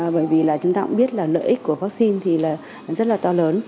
bởi vì là chúng ta cũng biết là lợi ích của vaccine thì là rất là to lớn